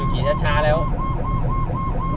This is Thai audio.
ผู้ชีพเราบอกให้สุจรรย์ว่า๒